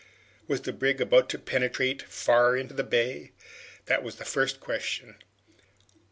Was the brig about to penetrate far into the bay? That was the first question.